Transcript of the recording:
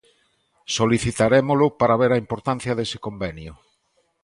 Solicitarémolo para ver a importancia dese convenio.